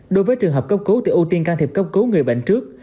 đối với trường hợp cấp cứu thì ưu tiên can thiệp cấp cứu người bệnh trước